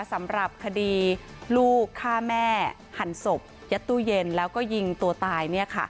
สำหรับคดีลูกฆ่าแม่หั่นศพยัดตู้เย็นแล้วก็ยิงตัวตาย